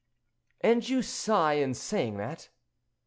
"And you sigh in saying that?"